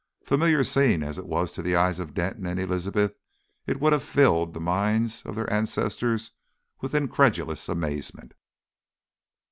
Familiar scene as it was to the eyes of Denton and Elizabeth, it would have filled the minds of their ancestors with incredulous amazement.